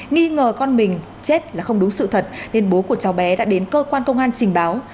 nghĩ ngờ con mình chết là không đúng sự thật nên bố của cháu bé đã đến cơ quan công an trình báo